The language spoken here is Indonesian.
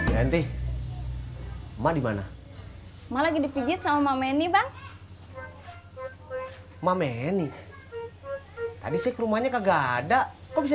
nanti ma dimana malah dipijit sama manny bang manny tadi sekrumanya kagak ada kok bisa